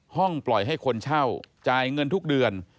ปล่อยให้คนเช่าจ่ายเงินทุกเดือน